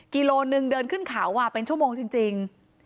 กิโลหนึ่งเดินขึ้นเขาอ่ะเป็นชั่วโมงจริงจริง